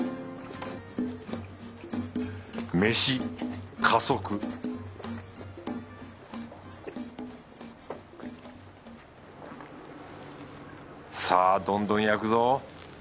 メシ加速さぁどんどん焼くぞ。